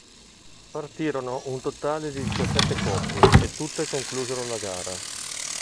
Partirono un totale di diciassette coppie e tutte conclusero la gara.